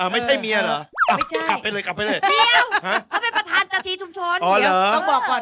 แม่ว่าดีหรือบอกว่าไม่ใช่